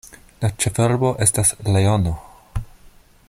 La ĉefurbo estas Leono.